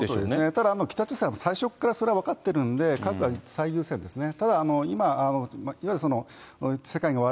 ただ北朝鮮は最初からそれは分かってるんで、核は最優先ですね。